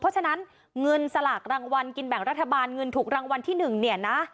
เพราะฉะนั้นเงินสลากรางวัลกินแบ่งรัฐบาลเงินถูกรางวัลที่๑เนี่ยนะ